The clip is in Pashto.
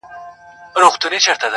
• د مینو درد غزل سي یا ټپه سي..